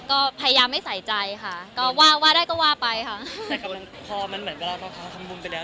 ก็พยายามไม่ใส่ใจค่ะก็ว่าว่าได้ก็ว่าไปค่ะแต่กำลังพอมันเหมือนกับเราพอทำบุญไปแล้ว